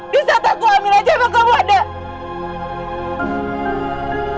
disaat aku ambil aja emang kamu ada